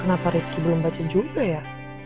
kenapa ricky belum baca juga ya